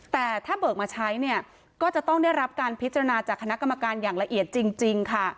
แต่ถ้าเบิกมาใช้เนี่ยก็จะต้องได้รับการพิจารณาจากคณะกรรมการอย่างละเอียดจริงค่ะ